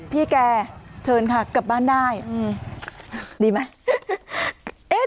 พี่แกเชิญขอกลับบ้านได้ดีไหมครับ